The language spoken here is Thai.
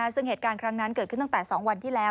ซึ่งเหตุการณ์ครั้งนั้นเกิดขึ้นตั้งแต่๒วันที่แล้ว